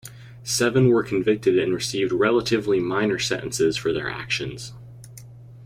Seven were convicted and received relatively minor sentences for their actions.